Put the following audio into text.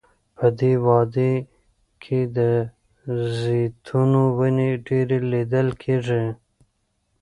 په دې وادۍ کې د زیتونو ونې ډیرې لیدل کیږي.